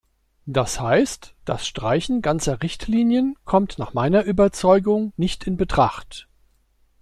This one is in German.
Das heißt, das Streichen ganzer Richtlinien kommt nach meiner Überzeugung nicht in Betracht.